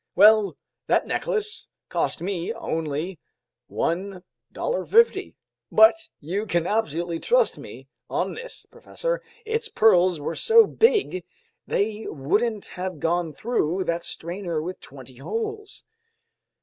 Well, that necklace cost me only $1.50, but you can absolutely trust me on this, professor, its pearls were so big, they wouldn't have gone through that strainer with twenty holes."